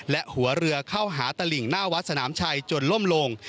และหัวเรือเข้าหาตลิ่งหน้าวัดสนามชัยจนล่มลง